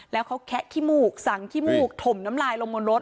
แล้วเขาแคะขี้มูกสั่งขี้มูกถมน้ำลายลงบนรถ